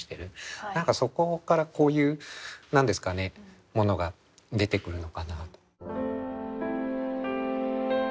何かそこからこういう何ですかねものが出てくるのかなと。